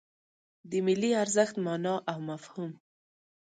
د ملي ارزښت مانا او مفهوم